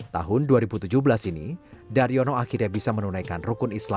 tahun dua ribu tujuh belas ini daryono akhirnya bisa menunaikan rukun islam